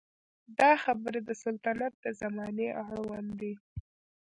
دا خبرې د سلطنت د زمانې اړوند دي.